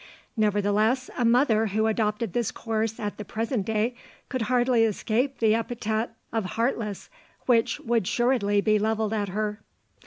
Nevertheless, a mother who adopted this course at the present day could hardly escape the epithet of "heartless," which would assuredly be levelled at her.